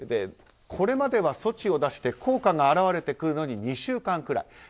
これまでは措置を出して効果が現れてくるのに２週間くらい。